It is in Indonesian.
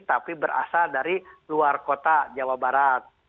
tapi berasal dari luar kota jawa barat